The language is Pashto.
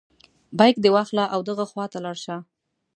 بیک دې واخله او دغه خواته لاړ شه.